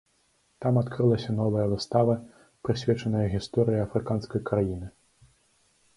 Там адкрылася новая выстава, прысвечаная гісторыі афрыканскай краіны.